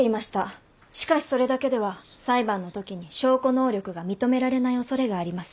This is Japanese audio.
しかしそれだけでは裁判のときに証拠能力が認められない恐れがあります。